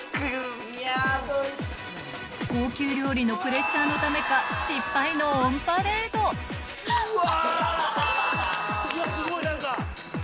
高級料理のプレッシャーのためか失敗のオンパレードあ！